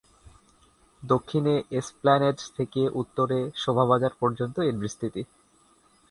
দক্ষিণে এসপ্ল্যানেড থেকে উত্তরে শোভাবাজার পর্যন্ত এর বিস্তৃতি।